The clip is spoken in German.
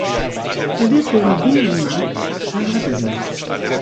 Er wird dem Binnenmarkt schaden.